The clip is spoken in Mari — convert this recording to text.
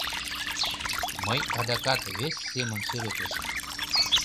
Мый адакат вес семын сӱретлышым.